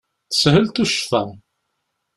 Teshel tuccfa.